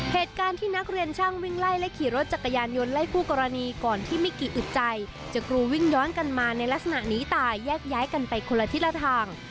เหตุการณ์ที่นักเรียนช่างวิ่งไล่และขี่รถจักรยานยนต์ไล่คู่กรณีก่อนที่ไม่กี่อึดใจจะกรูวิ่งย้อนกันมาในลักษณะนี้ตายแยกย้ายกันไปคนละทิศละทาง